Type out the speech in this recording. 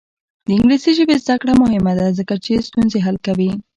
د انګلیسي ژبې زده کړه مهمه ده ځکه چې ستونزې حل کوي.